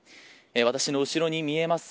私の後ろに見えます